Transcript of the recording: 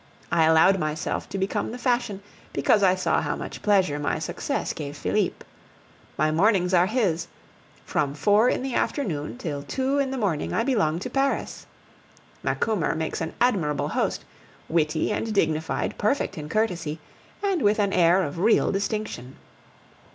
I allowed myself to become the fashion, because I saw how much pleasure my success gave Felipe. My mornings are his; from four in the afternoon till two in the morning I belong to Paris. Macumer makes an admirable host, witty and dignified, perfect in courtesy, and with an air of real distinction.